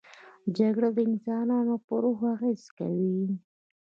جګړه د انسانانو پر روح اغېز کوي